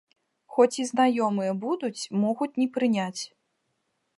Хоць і знаёмыя будуць, могуць не прыняць.